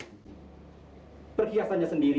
hai perhiasannya sendiri